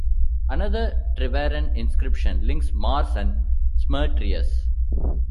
Another Treveran inscription links Mars and Smertrius.